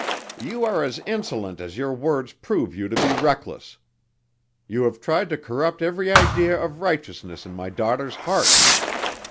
"You are as insolent as your words prove you to be reckless. You have tried to corrupt every idea of righteousness in my daughter's heart.